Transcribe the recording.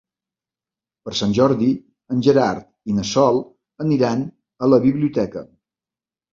Per Sant Jordi en Gerard i na Sol aniran a la biblioteca.